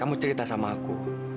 kamu cerita sama aku